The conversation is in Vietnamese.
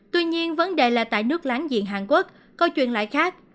tuy nhiên vấn đề là tại nước láng giềng hàn quốc câu chuyện lại khác